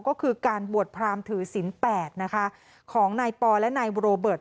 ก็คือการบวชพรามถือศิลปนะคะของนายปอและนายโรเบิร์ต